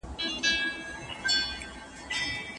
بریالي کسان به خپلي تېروتنې سموي.